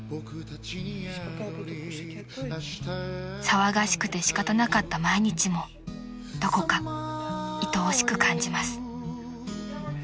［騒がしくて仕方なかった毎日もどこかいとおしく感じます］